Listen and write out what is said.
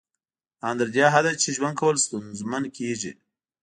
ان تر دې حده چې ژوند کول ستونزمن کیږي